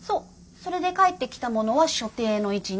それで返ってきたものは所定の位置に戻す。